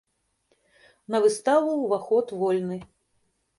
На выставу ўваход вольны.